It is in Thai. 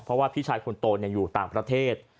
เพราะว่าพี่ชายคนโตอยู่ต่างประเทศ